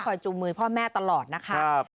จูงมือพ่อแม่ตลอดนะคะ